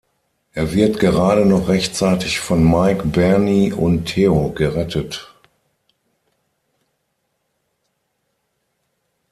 Er wird gerade noch rechtzeitig von Mike, Bernie und Theo gerettet.